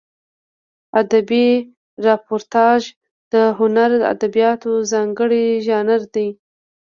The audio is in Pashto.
ادبي راپورتاژ د هنري ادبیاتو ځانګړی ژانر دی.